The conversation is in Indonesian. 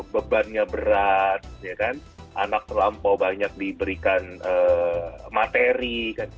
bebannya berat anak terlampau banyak diberikan materi